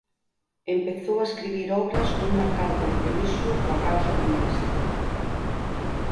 Empezou a escribir obras cun marcado compromiso coa causa comunista.